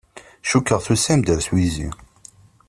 Cukkeɣ tusam-d ɣer twizi.